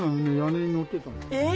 え！